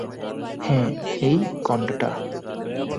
হ্যাঁ, এই কন্ডোটা।